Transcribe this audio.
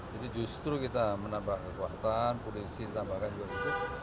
jadi justru kita menambah kekuatan kondisi tambahkan juga itu